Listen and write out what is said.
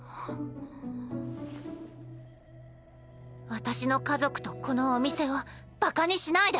私の家族とこのお店をバカにしないで。